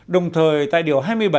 đồng thời tại điều hai mươi bảy